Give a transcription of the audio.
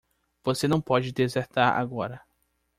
Você não pode desertar agora.